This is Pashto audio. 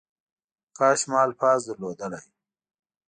کاش ما الفاظ درلودلی .